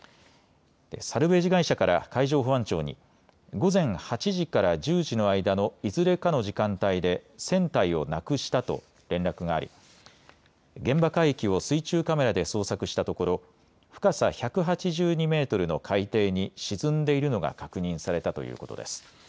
サルベージ会社から海上保安庁に午前８時から１０時の間のいずれかの時間帯で船体をなくしたと連絡があり、現場海域を水中カメラで捜索したところ、深さ１８２メートルの海底に沈んでいるのが確認されたということです。